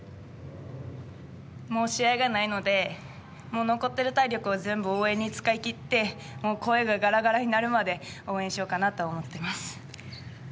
もう試合がないので残っている体力を全部応援に使いきって声がガラガラになるまで応援しようかなと思っています。